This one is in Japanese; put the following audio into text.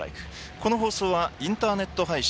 この放送はインターネット配信